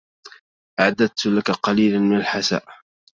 أعددت لك قليلا من الحساء.